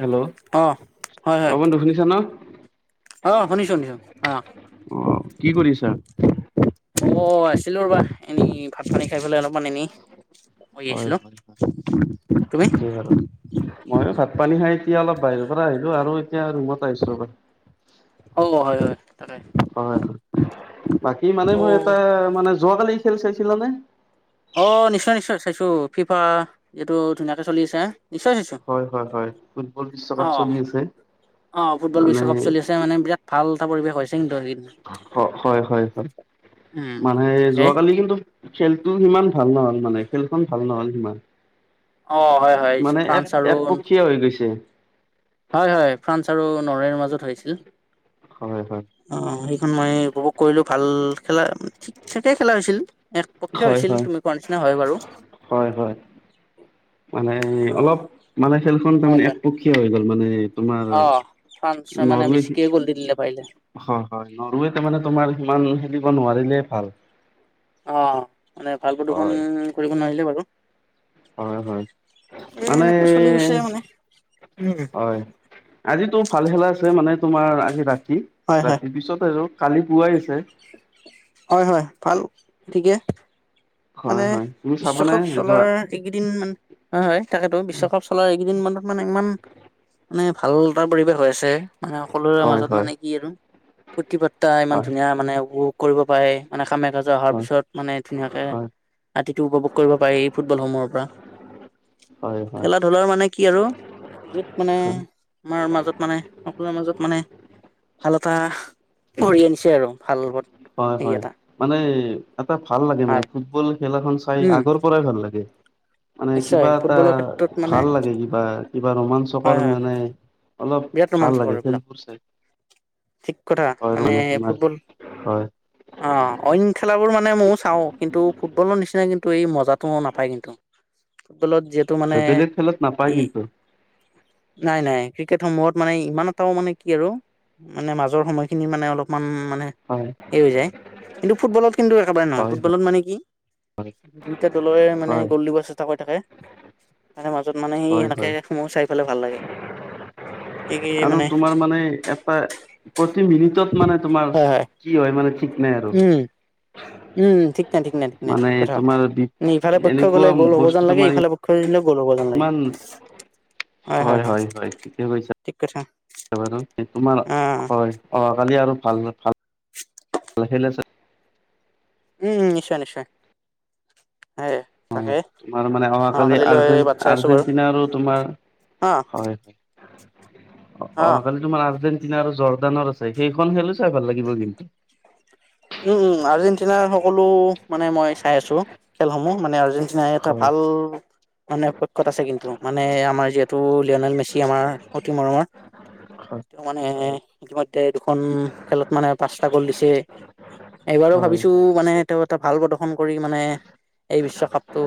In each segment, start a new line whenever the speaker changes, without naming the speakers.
Hello!
অঁ
অ' বন্ধু শুনিছা ন?
অ' শুনিছো শুনিছো। অ'!
অ' কি কৰিছা?
অ' আছিলো ৰ'বা এনেই, ভাত-পানী খাই পেলাই অলপমান এনেই। কৰি
হয়
আছিলো।
হয়
তুমি?
ঠিকেই বাৰু। ময়ো ভাত পানী খাই এতিয়া অলপ বাহিৰৰ পৰা আহিলো আৰু এতিয়া ৰুমত আহিছো ৰবা!
অঁ হয় হয়। তাকে
হয় হয়, বাকী মানে মই
অঁ
এটা মানে যোৱাকালি খেল চাইছিলা নে?
অ' নিশ্চয় নিশ্চয় চাইছো, ফিফা যিটো ধুনীয়াকে চলি আছে নিশ্চয় চাইছো।
হয় হয় হয়, ফুটবল বিশ্বকাপ চলি আছে।
অ' ফুটবল
মানে
বিশ্বকাপ চলি আছে মানে বিৰাট ভাল এটা পৰিৱেশ হৈছে কিন্তু [unintelligible]
হয় হয় হয়,
উম
মানে
তাকে
যোৱাকালি কিন্তু খেলটো সিমান ভাল নহল মানে, খেলখন ভাল নহল সিমান।
অ' হয় হয়, ফ্ৰান্স আৰু
কিয় হয় গৈছে?
হয় হয়, ফ্ৰান্স আৰু নৰিয়াৰ মাজত হৈছিল।
হয় হয়
অ' সেইখন মই উপভোগ কৰিলো, ভাল খেলা ঠিক ঠাকে খেলা হৈছিল। একপক্ষে
হয়
হৈছিল
হয়
তুমি কোৱা নিচিনা হয় বাৰু।
হয় হয় মানে অলপ মানে খেলখন
হয়
তাৰমানে
হয়
একপক্ষীয় হৈ গ'ল মানে। তোমাৰ
অ' ফ্ৰান্সে মানে
নৰৱে
বেছিকে গল দি দিলে পাৰিলে।
হয় হয়, নৰুৱে তাৰ মানে তোমাৰ সিমান খেলিব নোৱাৰিলে ভাল।
অ' মানে ভাল প্ৰদষন
হয়
কৰিব নোৱাৰিলে বাৰু।
হয় হয়
এ
মানে
এনেকে চলি গৈছে মানে, উম।
হয় আজিতো ভাল খেলা আছে, মানে তোমাৰ আজি ৰাতি
হয় হয়
ৰাতিৰ পিছত আৰু কালি পুৱাই আছে।
হয় হয়, ভাল ঠিকে।
হয়
মানে
হয় তুমি চাবানে
বিশ্বকাপ
যোৱা
চলাৰ এইকেইদিন মান হয় হয় তাকেতো বিশ্বকাপ চলা এইকেইদিন মানত মানে ইমান মানে ভাল এটা পৰিৱেশ হৈ আছে মানে সকলোৰে
হয়
মাজত
হয়
মানে কি আৰু ফূৰ্টী পাৰ্তা ইমান
হয়
ধুনীয়া মানে উ কৰিব পাৰে মানে কামে কাজে অহাৰ
হয়
পিছত মানে ধুনীয়াকে।
হয়
ৰাতিটো উপভোগ কৰিব পাৰি এই ফুটবলসমূহৰ পৰা।
হয় হয়
খেলা ধূলাৰ মানে কি আৰু বহুত মানে
হয়
আমাৰ মাজত মানে সকলোৰে মাজত মানে ভাল এটা কৰি আনিছে আৰু ভাল ব
হয় হয় মানে এটা ভাল লাগে মানে
হয়
ফুটবল খেলাখন চাই
উম
আগৰ পৰাই ভাল লাগে, মানে
নিশ্চয়
কিবা এটা
ফুটবলৰ ক্ষেত্ৰত মানে
ভাল লাগে কি বা কিবা ৰোমাঞ্চকৰ
হয় হয়
মানে অলপ
বিৰাট
ভাল
ৰোমাঞ্চকৰ
লাগে
এইবিলাক
খেলটো চাই,
ঠিক কথা
হয় মানে তোমাৰ
ফুটবল
হয়।
অ অইন খেলাবোৰ মানে মইও চাওঁ কিন্তু ফুটবলৰ নিচিনা কিন টো এই মজাটো নাপায় কিন্তু ফুটবলত যি টো মানে
বেলেগ খেলত নাপায়
ই,
কিন্তু
নাই নাই ক্রি কেটসমূহত মানে ইমান এটাও মানে কি আৰু মানে মাজৰ সময়খিনি মানে অলপমান মানে
হয়
এই হৈ যায় কিন্তু ফুটবলত কিন্তু একেবাৰে নহয়,
হয়
ফুটবলত মানে কি দুইটা দলেৰে মানে
হয়
গ'ল দিব চেষ্টা কৰি থাকে। মানে মাজত মানে সি
হয়
সেনেকে
হয়
সমূ্হ চাই পেলাই ভাল লাগে। এই কি
আৰু
মানে
তোমাৰ মানে এটা প্ৰতি মিনিটত মানে তোমাৰ কি হয় মানে ঠিক নাই আৰু।
উম উম ঠিক নাই ঠিক নাই ঠিক নাই
মানে
ঠিক কথা,
তোমাৰ
নি ইফালে পক্ষ গলে
এনেকুৱা
গ'ল হ'ব
বস্তু
যেন লাগে
তোমাৰ
সিফালে প ক্ষ [unintelligible] গল হব যেন লাগে।
ইমান হয় হয় হয় ঠিকে কৈছা,
ঠিক কথা
[unintelligible] তোমাৰ
অ
হয় অহাকালি আৰু ভাল ভাল খেল আছে।
উম নিশ্চয় নিশ্চয়। হয়
অ
তাকে
তোমাৰ মানে
অহা
অহাকালি
কালিলৈ
আৰ্জেন
বাট চাই আছো বাৰু
আৰ্জেণ্টিনা আৰু তোমাৰ
অ
হয় হয়। অ অহাকালি তোমাৰ আৰ্জেণ্টিনা আৰু জৰ্ডানৰ আছে সেইখন খেলো চাই ভাল লাগিব কিন্তু।
উম উম আৰ্জেণ্টিনাৰ সকলো মানে মই চাই আছো খেলসমূহ মানে আৰ্জেন টিনাই এটা
হয়
ভাল মানে পক্ষত আছে কিন্তু মানে আমাৰ যিহেতু লিঅ'নেল মেচি আমাৰ অতি মৰমৰ তেওঁ মানে ইতিমধ্যে দুখন খেলত মানে পাঁচটা গ'ল দিছে। এইবাৰো
হয়
ভাবিছো
হয়
মানে
পিছে
তেওঁ এটা ভাল প্ৰদৰ্শন কৰি মানে এই বিশ্বকাপটো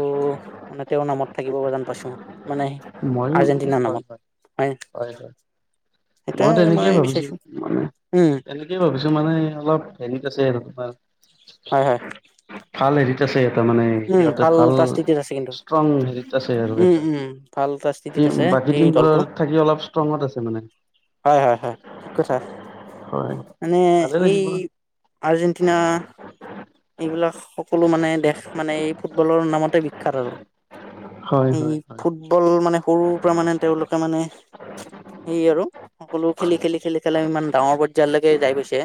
মানে তেওঁৰ নামত থাকিব যেন পাইছো আৰু মানে
মইয়ো
আৰ্জেণ্টিনাৰ
হয়
নামত
হয় হয় হয়।
সেইটোৱে
মইতো
মই
তেনেকৈয়ে ভাবিছো
বিচাৰিছো
মানে
উম
তেনে কি ভাবিছো মানে অলপ হেৰিত আছে আৰু তোমাৰ
হয় হয়।
ভাল হেৰিত আছে এটা মানে
উম
সিহঁতে ভাল
এটা স্থিতিত আছে কিন্তু
ষ্ট্ৰং হেৰি আছে আৰু
উম
এটা।
উম ভাল এটা স্থিতিত
টিম
আছে
বাকী
সেই দলটো।
টিমবোৰৰ থাকি অলপ ষ্ট্ৰঙত আছে মানে
হয় হয় হয় ঠিক কথা
হয়
মানে
ভালে
এই
লাগিব হয়
আৰ্জেণ্টিনা এইবিলাক সকলো মানে দেশ মানে এই ফুটবলৰ নামতে বিখ্যাত আৰু।
হয়
এই
হয়
ফুটবল মানে সৰুৰ পৰা মানে তেওঁলোকে মানে সেইয়া আৰু সকলো খেলি-খেলি-খেলি-খেলি ইমান ডাঙৰ পৰ্যায়লৈকে যাই গৈছে।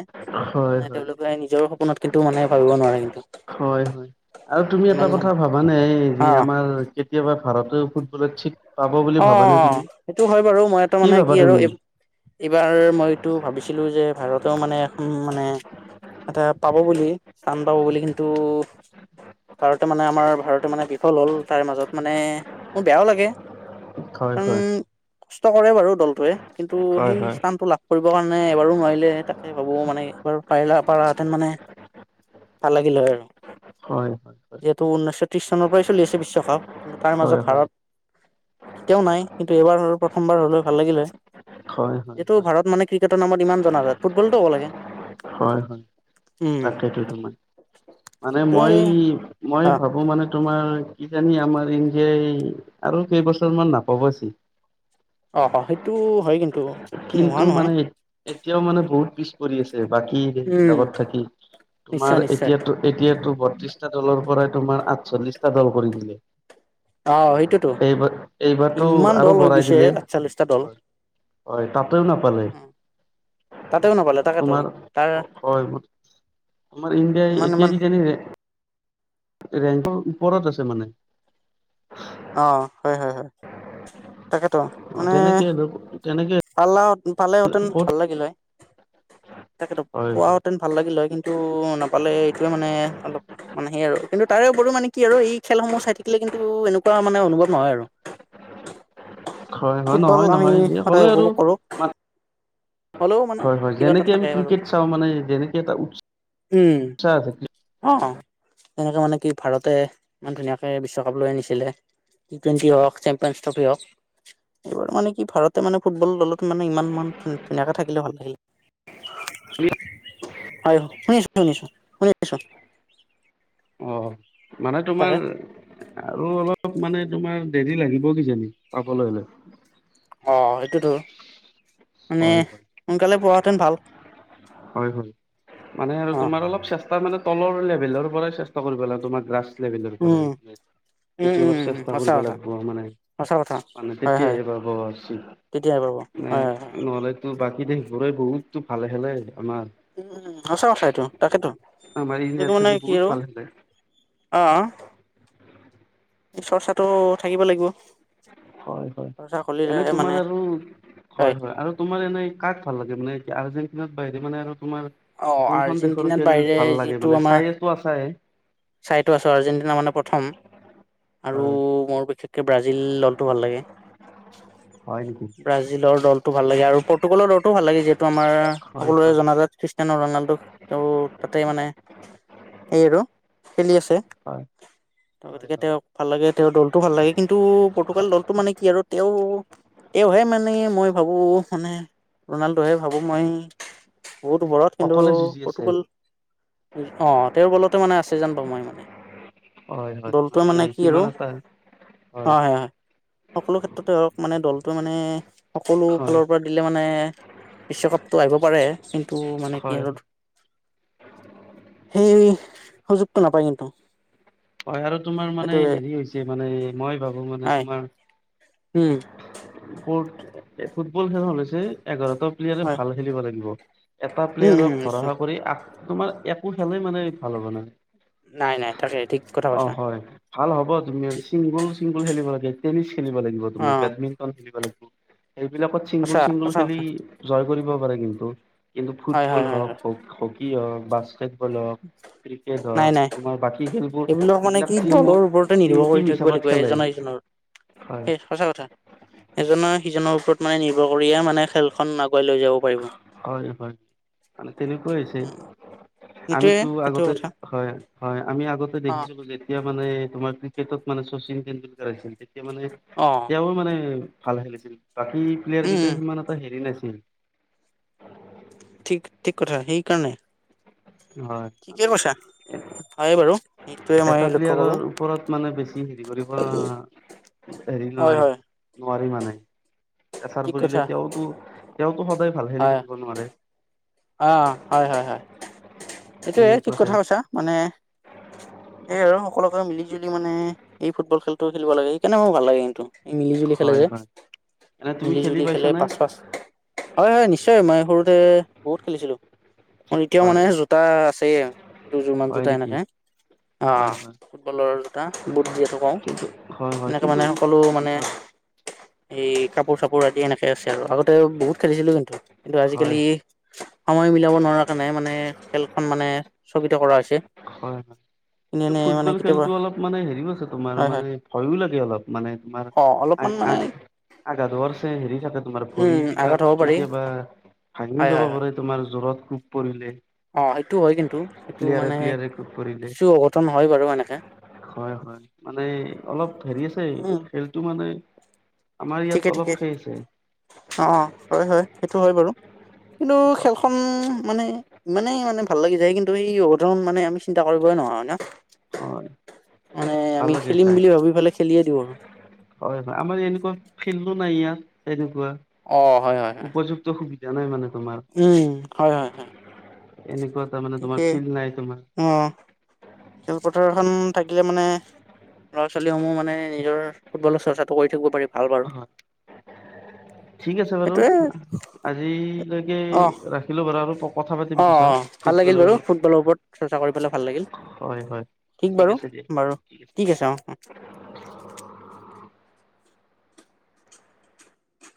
হয়
মানে
হয়
তেওঁলোকে নিজৰ সপোনত কিন্তু মানে ভাবিব নোৱাৰে।
হয়-হয়। আৰু তুমি এটা
ইমান মান
কথা ভাবানে এই যে
অ
আমাৰ- কেতিয়াবা ভাৰতেও ফুটবল বিলাক
অঁ', -অঁ', -অঁ', সেইটো হয় বাৰু। মই এটা মানে
ভাবা
কি আৰু-
তুমি?
এইবাৰ মইটো ভাবিছিলো যে ভাৰতেও মানে এখন মানে- এটা পাব বুলি স্থান পাব বুলি কিন্তু- ভাৰতে মানে আমাৰ ভাৰতে মানে বিফল হ'ল তাৰ মাজত মানে মোৰ বেয়াও লাগে।
হয়
উ
হয়
কষ্ট কৰে বাৰু দলটোৱে কিন্তু
হয়
সেই
হয়
স্থানতটো লাভ কৰে কৰিবৰ কাৰণে এবাৰো নোৱাৰিলে তাকে ভাবো মানে এইবাৰ- পাৰিলে পাৰা হেঁতেন মানে ভাল লাগিলে হয় আৰু।
হয়-হয়।
যিহেতু ঊনৈছশ ত্ৰিশ চনৰ পৰাই চলি আছে বিশ্বকাপ কিন্তু তাৰ
হয় হয়
মাজত ভাৰত- কেতিয়াও নাই কিন্তু এইবাৰ হ'ল প্ৰথমবাৰ হ'লেও ভাল লাগিল হয়।
হয় হয়
এইটো
হয়
ভাৰত মানে- ক্ৰিকেটৰ নামত ইমান জনা যায়, ফুটবলটো হ'ব লাগে।
হয়-হয়,
উম
তাকেইটো। তোমাৰ মানে
এ
মই, মই
অ
ভাবো মানে- তোমাৰ কিজানি আমাৰ ইণ্ডিয়াই আৰু কেইবছৰ মান নাপাব চিট।
অঁহ', সেইটো হয় কিন্তু। নোহোৱা
কিন্তু
নহয়
মানে এতিয়াও মানে বহুত পিছ পৰি আছে- বাকী
উম
বিলাকত থাকি। তোমাৰ
নিশ্চয় নিশ্চয়
এতিয়া- এতিয়াতো বত্ৰিশটা দলৰ পৰাই তোমাৰ আঠচল্লিশটা দল কৰি দিলে।
অ সেইটোতো
এইবাৰ, এইবাৰতো
ইমান দল
আৰু
হৈ
বঢ়াই
গৈছে
দিলে।
আঠচল্লিশটা দল
হয় হয়, তা'তেও নাপালে।
উম, তাতেও নাপালে তাকেতো
তোমাৰ
তাৰ
ঘৰ ক'ত তোমাৰ ইণ্ডিয়াই
ইমান ইমান
এতিয়া কি জানিছে- ৰেংকৰ ওপৰত আছে মানে।
অঁ', হয়-হয়-হয়।
[unintelligible]
তাকেটো,
অ
মানে
তেনেকে তেনেকে
পালা-পালে হেঁতেন
ক'ত
ভাল লাগিল হয়। তাকেটো,
হয় হয়
পোৱাহেঁতেন ভাল লাগিল হয় কিন্তু নাপালে এইটোৱে মানে অলপ- মানে সেই আৰু। কিন্তু তাৰেও বো মানে কি আৰু এই খেলসমূহ চাই থাকিলে কিন্তু এনেকুৱা মানে অনুভৱ নহয় আৰু।
হয় হয়
ফুটবল
নহয়
আমি
নহয় হ'লে
সদায়
আৰু
উপভোগ কৰোঁ।
হয়-হয়, যেনেকে আমি ক্ৰিকেট চাওঁ মানে যেনেকে এটা উ-উসাহ আছে।
অঁ', তেনেকে মানে কি ভাৰতে ইমান ধুনীয়াকে বিশ্বকাপ লৈ আনিছিলে। টি টুৱেণ্ট হওঁক, চেম্পিয়ন ট্ৰফ হওঁক। এইবাৰ মানে কি ভাৰতে মানে ফুটবল দলত মানে ইমান ধ-ধুনীয়াকে থাকিলে ভাল লাগিল।
[inaudible]
হয়, শুনিছো-শুনিছো, শুনিছো।
অ'। মানে তোমাৰ
তাকে
আৰু অলপ মানে তোমাৰ দেৰি লাগিব কিজানি পাবলৈ।
অঁ', -সেইটোতো, মানে সোনকালে পোৱা হেঁতেন ভাল।
হয়-হয়, মানে আৰু
অ
তোমাৰ অলপ চেষ্টা মানে- তলৰ লেভেলৰ পৰাই চেষ্টা কৰিব লাগে তোমাৰ ক্লাছ লেভেলৰ
উম
পৰাই-
উম
এইটো অলপ
উম উম
চেষ্টা
সঁচা
কৰিব
কথা
লাগিব মানে।
সঁচা কথা
মানে
হয়
তেতিয়াই
হয়
এইবাৰ আছে,
তেতিয়াই পাব
মানে
হয় হয় হয়
নহ'লে তো বাকী দেশবোৰে বহুত ভাল খেলে আমাৰ
উম, সঁচা কথা এইটো, তাকেতো,
আমাৰ
এইটোত
ইণ্ডিয়াত
মানে
থাকি
কি
বহুত
আৰু
ভাল খেলে।
অ' চৰ্চাটো থাকিব লাগিব।
হয়, হয়।
চৰ্চা
এনে
কৰিলেহে
তোমাৰ
মানে
আৰু হয় হয় আৰু তোমাৰ এনেই কাক ভাল লাগে মানে আৰ্জেন্টিনাৰ বাহিৰে মানে আৰু তোমাৰ
অ
কোনখন দেশৰ
আৰ্জেন্টিনাত
খেল
বাহিৰে
ভাল লাগে মানে, চায়েটো আছায়ে।
চাইতো আছো আৰ্জেণ্টিনা মানে প্ৰথম আৰু
হয়
মোৰ বিশে ব্ৰাজিল দলটো ভাল লাগে।
হয় নেকি?
ব্ৰাজিলৰ দলটো ভাল লাগে আৰু পৰ্টুগলৰ দলটো ভাল লাগে যিহেতু তো আমাৰ
হয়
সকলোৰে
হয়
জনাজাত খ্ৰীষ্টিয়ানো ৰণাল্ডো তেওঁৰ তাতে মানে সেই আৰু খেলি আছে
হয়
তো'
হয়
গতিকে
হয়
তেওঁক ভাল লাগে তেওঁৰ দলটো ভাল লাগে কিন্তু পৰ্টুগল দলটো মানে কি আৰু তেওঁ তেওঁহে মানে মই ভাবোঁ মানে, ৰণাল্ডোহে ভাবোঁ মই বহুত ওপৰত কিন্তু
অকলে যুঁজি আছে।
পৰ্টুগল অ' তেওঁৰ বলতে মানে আছে যেন পাওঁ মই মানে
হয় হয়,
দলটোৱে
মানে
কি আৰু
কিমান এটা হয়।
সকলো ক্ষেত্ৰতে হওঁক মানে দলটো মানে সকলো
হয়
ফালৰ পৰা [unintelligible] মানে বিশ্বকাপটো আহিব পাৰে কিন্তু মানে কি
হয়
আৰু সেই সুযোগটো নাপায় কিন্তু।
হয় আৰু তোমাৰ মানে
সেইটোৱে
হেৰি হৈছে মানে মই ভাবো মানে
হয়
তোমাৰ
উম।
[unintelligible] ফুটবল খেলখন হৈছে এঘাৰটা প্লেয়াৰে
হয়
ভাল খেলিব লাগিব। এটা
উম উম
প্লেয়াৰক
নিশ্চয়
ভৰসা কৰি তোমাৰ একো খেলে মানে ভাল হ'ব নাই।
নাই নাই, তাকে ঠিক কথা
অ'
কৈছা
হয় ভাল হ'ব তুমি, চিংগুল চিংগুল খেলিব লাগে টেনিছ খেলিব লাগিব
অ
তুমি বেডমিণ্ট [unintelligible] সেইবিলাকত চিংগুল
সঁচা
চিংগুল
সঁচা
খেলি
কথা
জয় কৰিব পাৰে কিন্তু কিন্তু
হয়
ফুটবল
হয় হয় হয়
হওঁক, হকী হওঁক বাস্কেট ফুটবল হওঁক, ক্ৰিকেট
নাই
হওঁক
নাই
তোমাৰ বাকী খেলবোৰ
এইবিলাক মানে
যিবিলাক
কি
টিম
দলৰ ওপৰতে
টিম
নিৰ্ভৰ
টিম
কৰি থাকিব
হিচাপত
লাগিব
খেলে
এজনৰ এজনৰ,
হয়
সে সঁচা কথা এজনৰ সিজনৰ ওপৰত মানে নিৰ্ভৰ কৰিয়ে মানে খেলখন আগুৱাই লৈ যাব পাৰিব
হয়, হয়। মানে তেনেকুৱাই হৈছে।
উম সেইটোয়ে
আমিতো
সেইটো
আগতে
কথা
হয় হয়। আমি আগতে
অ
দেখিছিলোঁ যে যেতিয়া মানে তোমাৰ ক্ৰিকেটত মানে শচীন তেণ্ডুলকাৰ আছিল তেতিয়া মানে
অ'।
[unintelligible] মানে ভাল খেলিছিল বাকী প্লেয়াৰ
উম
কেইটাৰ সিমান এটা হেৰি নাছিল।
ঠিক, ঠিক কথা সেইকাৰণে
হয়।
ঠিকে
মানে
কৈছা, হয় বাৰু। সেইটোয়ে মই
এটা
লক্ষ্য কৰো
প্লেয়াৰৰ ওপৰত মানে বেছি হেৰি কৰিব হেৰি
হয়
নহয়।
হয়
নোৱাৰি মানে। প্ৰেছাৰ
ঠিক কথা
পৰিলে তেওঁতো, তেওঁতো সদায় ভাল খেলি
হয়
থাকিব নোৱাৰে।
অ' হয়, হয়, হয়। এইটোৱে ঠিক
তেনেকুৱা
কথা
টাইপ
কৈছা। মানে এই আৰু সকলোকে মিলি জুলি মানে এই ফুটবল খেলটো খেলিব লাগে। সেইকাৰণে মোৰ ভাল লাগে গেমটো। এই মিলি জুলি খেলে
হয়
যে।
হয় এনে তুমি
মিলি
খেলি
জুলি খেলে
পাইছানে
পাচ পাচ হয় হয় নিশ্চয় মই সৰুতে বহুত খেলিছিলো। মোৰ এতিয়াও
হয়
মানে জো তা আছেই দুযোৰ মান
হয়
জোতা
নেকি
এনেকে।
হয় হয়
অ' ফুটবলৰ জোতা বুট যিহেতু কওঁ।
কিন্তু হয় হয়
এনেকে
কিন্তু
মানে সকলো মানে,
হয়
এই কাপোৰ চাপোৰ আদি এনেকে আছে আৰু। আগতে বহুত খেলিছিলো কিন্তু। কিন্তু
হয়
আজিকালি সময় মিলাব নোৱাৰা কাৰণে মানে খেলখন মানে স্থগিত কৰা হৈছে।
হয় হয় কিন্তু
এনে মানে
ফুটবল
কেতিয়াবা
খেলতো অলপ মানে হেৰিও আছে তোমাৰ
হয় হয়
মানে ভয়ো লাগে অলপ মানে তোমাৰ,
অ'
আগ
অলপমান মানে,
আগ আঘাত হোৱাৰছে হেৰি থাকে তোমাৰ
উম
ভৰি
আগত
বিলাক
হ'ব পাৰি
কেতিয়াবা ভাঙিও
হয়
যাব
হয় হয়
পাৰে। তোমাৰ জোৰত কোব পৰিলে।
অ' সেইটো হয় কিন্তু। সেইটো
প্লিয়াৰে
মানে
প্লিয়াৰে কোব পৰিলে।
কিছু অঘটন হয় বাৰু এনেকে
হয় হয় মানে অলপ হেৰি আছে।
উম
খেল টো মানে আমাৰ
ঠিকে
ইয়াত
ঠিকে
অলপ হেৰি আছে।
অ' অ হয় হয়, সেইটো হয় বাৰু, কিন্তু খেলখন মানে ইমানেই মানে ভাল লাগি যায় কিন্তু অঘটন মানে আমি চিন্তা কৰিবই নোৱাৰো হয় না?
হয়
মানে
ভাল
আমি
লাগে
খেলিম
চাই
বুলি ভাবি পেলাই খেলিয়ে দিওঁ আৰু।
হয় হয় আমাৰ এনেকুৱা ফিল্ডো নাই ইয়াত তেনেকোৱা।
অ' হয় হয় হয়।
তো সুবিধা নাই মানে তোমাৰ।
উম, হয়, হয়, হয়,
এনেকুৱাত তাৰ মানে তোমাৰ
ঠিকেই
ফিল্ড নাই তোমাৰ।
অ', খেলপথাৰখন থাকিলে মানে, ল'ৰা ছোৱালীসমূহ মানে নিজৰ ফুটবলৰ চৰ্চাটো কৰি থাকিব পাৰিব।
অ'হয়। ঠিক আছে বাৰু।
সেইটোয়ে
আজিলৈকে
অ',
ৰাখিলো বাৰু আৰু কথা পাতিম পি
অ' অ' ভাল লাগিল বাৰু ফুটবলৰ ওপৰত চৰ্চা কৰি পেলাই ভাল লাগিল।
হয় হয়।
ঠিক বাৰু, বাৰু ঠিক আছে অ' অ'।